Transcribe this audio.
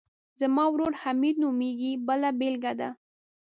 زما ورور حمید نومیږي بله بېلګه ده.